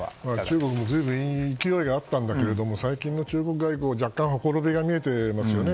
中国も随分勢いがあったんだけれども最近の中国外交、若干ほころびが見えていますよね。